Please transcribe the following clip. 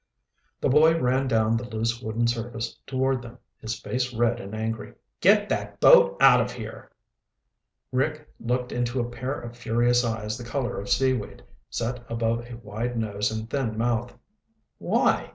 The boy ran down the loose wooden surface toward them, his face red and angry. "Get that boat out of here!" Rick looked into a pair of furious eyes the color of seaweed, set above a wide nose and thin mouth. "Why?"